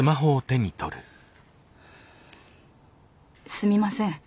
「すみません。